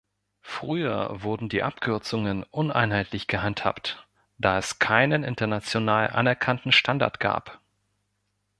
Früher wurden die Abkürzungen uneinheitlich gehandhabt, da es keinen international anerkannten Standard gab.